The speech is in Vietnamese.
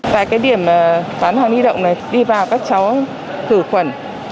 tại cái điểm bán hàng đi động này đi vào các cháu thử quần